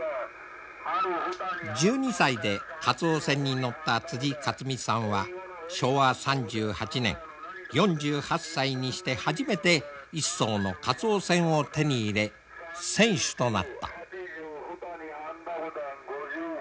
１２歳でカツオ船に乗った一水さんは昭和３８年４８歳にして初めて一艘のカツオ船を手に入れ船主となった。